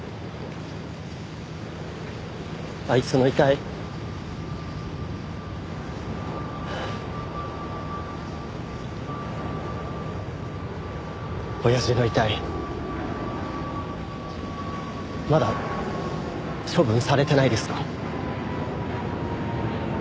あいつの遺体親父の遺体まだ処分されてないですか？